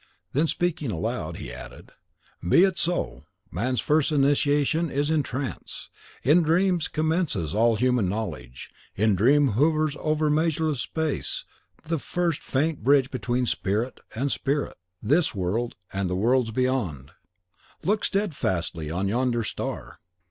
Then, speaking aloud, he added, "Be it so; man's first initiation is in TRANCE. In dreams commences all human knowledge; in dreams hovers over measureless space the first faint bridge between spirit and spirit, this world and the worlds beyond! Look steadfastly on yonder star!"